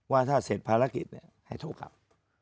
ว่าถ้าเสร็จภารกิจให้โทรกลับ